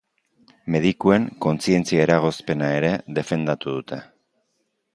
Medikuen kontzientzia-eragozpena ere defendatu dute.